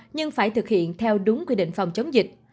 nhưng phải thực hiện theo đúng quy định phòng chống dịch